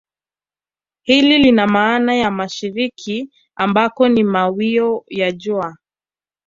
Hili lina maana ya mashariki ambako ni mawio ya jua